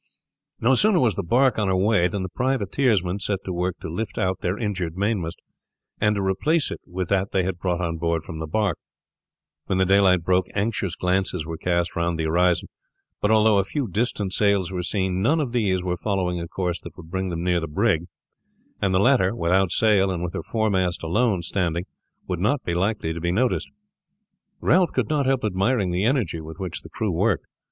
No sooner was the bark on her way than the privateersmen set to work to lift out their injured mainmast, and to replace it with that they had brought on board from the bark. When daylight broke anxious glances were cast round the horizon; but although a few distant sails were seen, none of these were following a course that would bring them near the brig, and the latter without sail and with her foremast alone standing would not be likely to be noticed. Ralph could not help admiring the energy with which the crew worked.